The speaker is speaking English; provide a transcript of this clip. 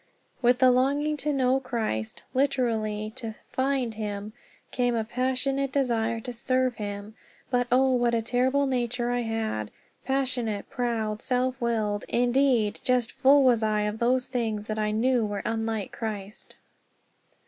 With the longing to know Christ, literally to "find" him, came a passionate desire to serve him. But, oh, what a terrible nature I had! Passionate, proud, self willed, indeed just full was I of those things that I knew were unlike Christ.